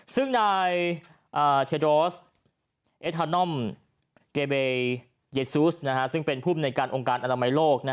ซึ่งนายเทโดสเอทานอนเกเบยซูสซึ่งเป็นภูมิในการองค์การอนามัยโลก